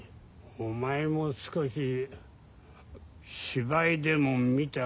お前も少し芝居でも見た方がいいな。